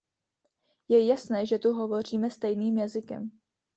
Je jasné, že tu hovoříme stejným jazykem.